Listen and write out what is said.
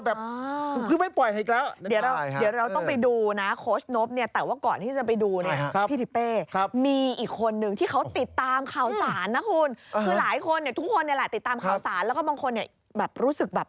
แบบคือไม่ปล่อยให้อีกแล้วนะครับค่ะครับ